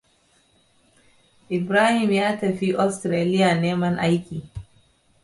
Ibrahim ya tafi Autralia neman aiki.